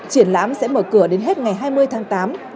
triển lãm sẽ mở cửa đến hết ngày hai mươi tháng tám tại bảo tàng hà nội